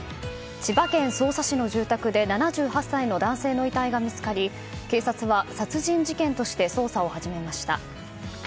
千葉県匝瑳市の住宅で７８歳の男性の遺体が見つかり警察は殺人事件として捜査を始めました。